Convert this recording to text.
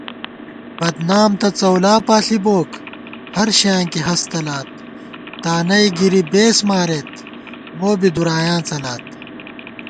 بدنام تہ څؤلا پاݪی بوک ہرشَیانکی ہست تلات تانَئ گِری بېس ماریت مو بی دُرایاں څَلات